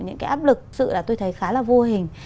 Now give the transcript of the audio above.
những cái áp lực sự là tôi thấy khá là vô hình